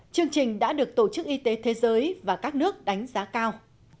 chương trình đã được tổ chức y tế thế giới và các nước đánh giá cao